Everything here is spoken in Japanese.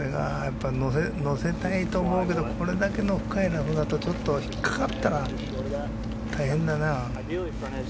乗せたいと思うけどこれだけの深いラフだと引っかかったら大変だな。